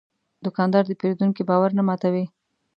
دوکاندار د پېرودونکي باور نه ماتوي.